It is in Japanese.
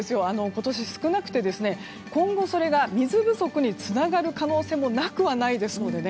今年、少なくて今後、それが水不足につながる可能性もなくはないですのでね。